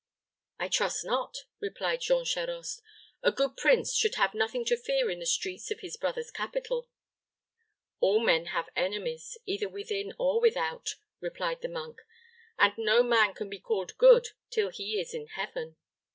"I trust not," replied Jean Charost. "A good prince should have nothing to fear in the streets of his brother's capital." "All men have enemies, either within or without," replied the monk; "and no man can be called good till he is in heaven.